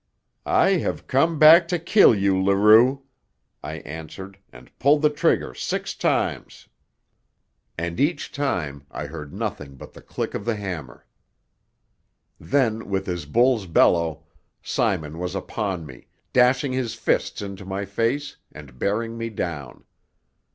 "I have come back to kill you, Leroux," I answered, and pulled the trigger six times. And each time I heard nothing but the click of the hammer. Then, with his bull's bellow, Simon was upon me, dashing his fists into my face, and bearing me down.